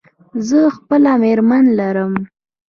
زه خپله مېرمن لرم.